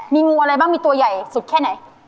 มีงูอะไรบ้างมีตัวใหญ่สุดแค่ไหน